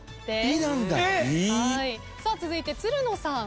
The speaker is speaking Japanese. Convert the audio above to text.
続いてつるのさん。